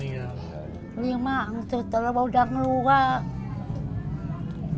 setelah udah keluar